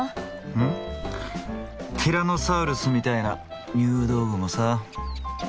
ティラノサウルスみたいな入道雲さ。